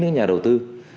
chín nhà đầu tư